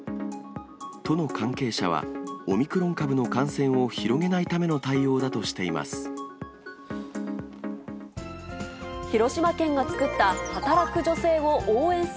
都の関係者は、オミクロン株の感染を広げないための対応だとしています。